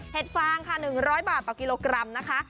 ฟางค่ะ๑๐๐บาทต่อกิโลกรัมนะคะ